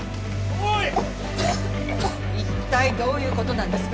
一体どういうことなんですか！？